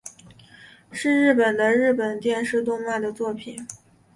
是日本的日本电视动画的作品。